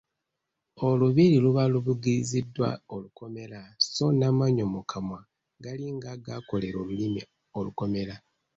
Olubiri luba lubugiriziddwa olukomera, sso n’amannyo mu kamwa galinga agaakolera olulimi olukomera.